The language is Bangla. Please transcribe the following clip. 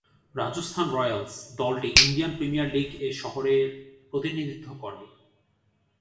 রাজস্থান রয়্যালস দলটি ইন্ডিয়ান প্রিমিয়ার লীগ-এ শহরের প্রতিনিধিত্ব করে।